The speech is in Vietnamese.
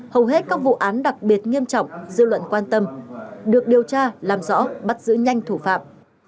hầu hết các vụ án đặc biệt nghiêm trọng dư luận quan tâm được điều tra làm rõ bắt giữ nhanh thủ phạm